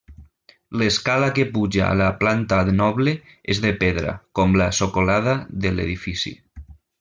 L'escala que puja a la planta noble és de pedra, com la socolada de l'edifici.